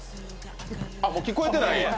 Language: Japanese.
あ、もう聞こえてない。